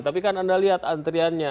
tapi kan anda lihat antriannya